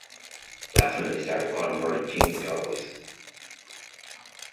That's when they started calling Murray King of the Cowboys.